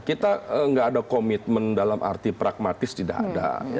kita nggak ada komitmen dalam arti pragmatis tidak ada